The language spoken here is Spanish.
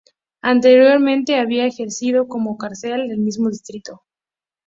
Anteriormente, había ejercido como concejal del mismo Distrito.